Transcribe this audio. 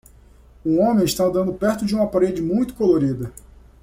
Um homem está andando perto de uma parede muito colorida.